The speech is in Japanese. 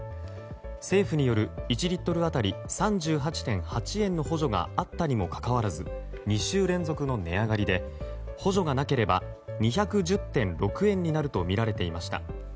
政府による１リットル当たり３８．８円の補助があったにもかかわらず２週連続の値上がりで補助がなければ２１０．６円になるとみられていました。